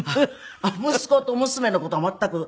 息子と娘の事は全く。